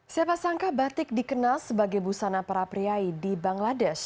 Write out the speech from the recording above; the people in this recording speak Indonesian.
siapa sangka batik dikenal sebagai busana para priai di bangladesh